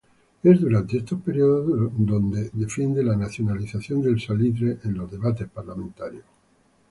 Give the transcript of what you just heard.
Es durante estos periodos donde defiende la nacionalización del salitre en los debates parlamentarios.